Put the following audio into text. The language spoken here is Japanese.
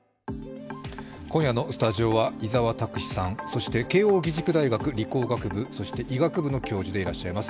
今夜のスタジオは伊沢拓司さん、そして慶応義塾大学理工学部そして医学部の教授でいらっしゃいます